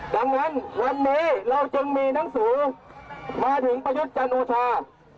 ดังนั้นวันนี้เราจึงมีหนังสือมาถึงประยุทธ์จันโอชา